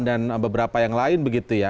dan beberapa yang lain begitu ya